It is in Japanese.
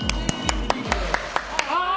ああ！